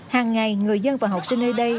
hàng ngày người dân và học sinh nơi đây